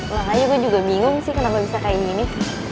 lah ya gue juga bingung sih kenapa bisa kaya gini